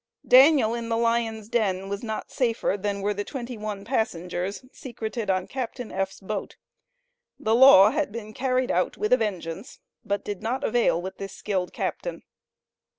Daniel in the lions' den was not safer than were the twenty one passengers secreted on Captain F.'s boat. The law had been carried out with a vengeance, but did not avail with this skilled captain.